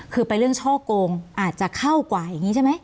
คือไปเรื่องช่อโกงอาจจะเข้ากว่าอย่างนี้ใช่ไหม